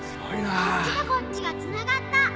あっちとこっちがつながった